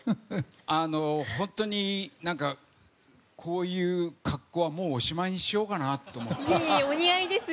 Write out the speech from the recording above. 本当にこういう格好はもうおしまいにしようかなといえいえ、お似合いですよ。